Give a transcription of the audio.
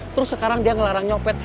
terus sekarang dia ngelarang nyopet